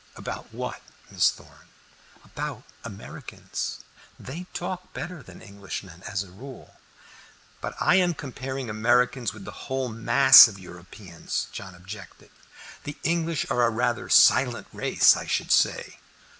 "About what, Miss Thorn?" "About Americans. They talk better than Englishmen, as a rule." "But I am comparing Americans with the whole mass of Europeans," John objected. "The English are a rather silent race, I should say."